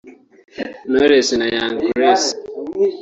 Knowless na Young Grace